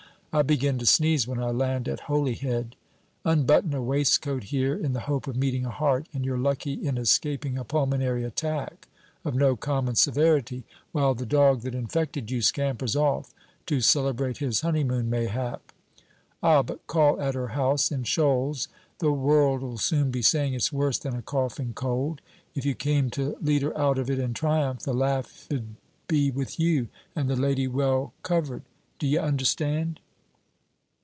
I begin to sneeze when I land at Holyhead. Unbutton a waistcoat here, in the hope of meeting a heart, and you're lucky in escaping a pulmonary attack of no common severity, while the dog that infected you scampers off, to celebrate his honeymoon mayhap. Ah, but call at her house in shoals, the world 'll soon be saying it's worse than a coughing cold. If you came to lead her out of it in triumph, the laugh 'd be with you, and the lady well covered. D' ye understand?'